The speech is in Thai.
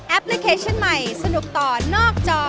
พลิเคชันใหม่สนุกต่อนอกจอ